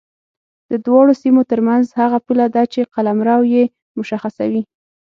د دواړو سیمو ترمنځ هغه پوله ده چې قلمرو یې مشخصوي.